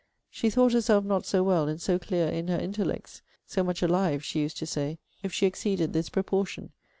She thought herself not so well, and so clear in her intellects, [so much alive, she used to say,] if she exceeded this proportion.